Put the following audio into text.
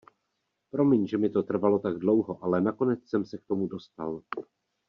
Promiň, že mi to trvalo tak dlouho, ale nakonec jsem se k tomu dostal.